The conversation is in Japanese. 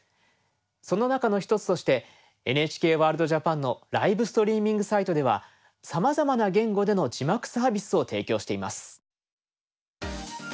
その中の１つとして「ＮＨＫワールドＪＡＰＡＮ」のライブストリーミングサイトではさまざまな言語での字幕サービスを提供しています。